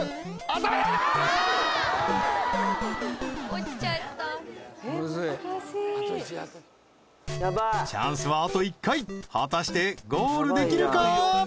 落ちちゃったチャンスはあと１回果たしてゴールできるか？